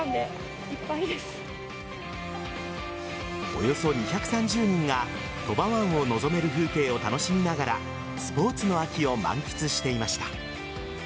およそ２３０人が鳥羽湾を望める風景を楽しみながらスポーツの秋を満喫していました。